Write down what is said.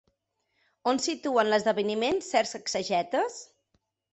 On situen l'esdeveniment certs exegetes?